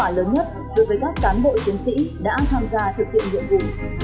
đây chính là món quà lớn nhất đối với các cán bộ chiến sĩ đã tham gia thực hiện nhiệm vụ